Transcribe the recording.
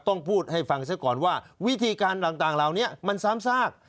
ต้องพูดให้ฟังซะก่อนว่าวิธีการต่างเหล่านี้มันซ้ำซาก